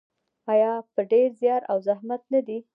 آیا په ډیر زیار او زحمت نه دی؟